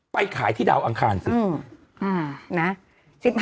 ไปขายที่ดาวอังคารสิ